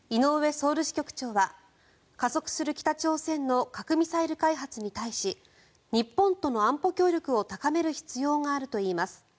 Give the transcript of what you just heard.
ソウル支局長は加速する北朝鮮の核・ミサイル開発に対し日本との安保協力を高める必要があるといいます。